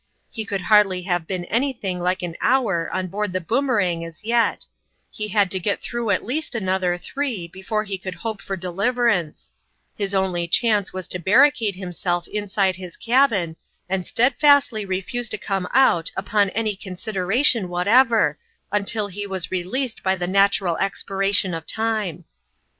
He 11 162 (Jonrmalin's ime could hardly have been anything like an hour on board the Boomerang as yet ; he had to get through at least another three before he coiild hope for deliverance. His only chance was to barricade himself inside his cabin, and stead fastly refuse to come out, upon any considera tion whatever, until he was released by the natural expiration of time.